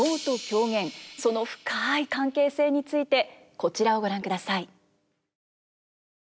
その深い関係性についてこちらをご覧ください。